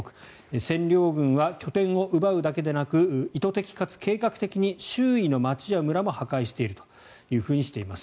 占領軍は拠点を奪うだけではなく意図的かつ計画的に周囲の町や村も破壊しているとしています。